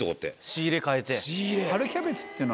仕入れ変えて。